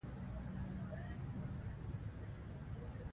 هنر د یو ملت د پوهانو او پوهې د کچې د معلومولو تله ده.